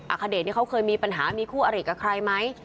อาคเดตเขาเคยมีปัญหามีคู่อะไรกับใครไหม